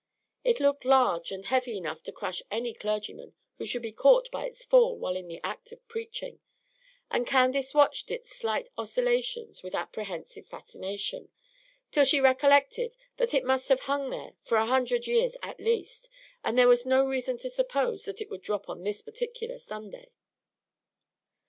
It looked large and heavy enough to crush any clergyman who should be caught by its fall while in act of preaching; and Candace watched its slight oscillations with an apprehensive fascination, till she recollected that it must have hung there for a hundred years at least, so there was no reason to suppose that it would drop on this particular Sunday.